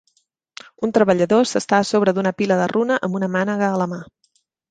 Un treballador s'està a sobre d'una pila de runa amb una mànega a la mà.